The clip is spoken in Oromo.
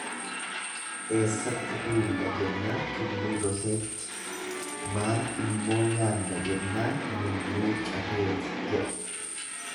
Essatti duulla jennaan tulluu doseetti maal immoo nyaanna jennaan mulluu caxeeti jedhe.